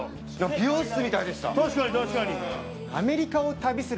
美容室みたいでした。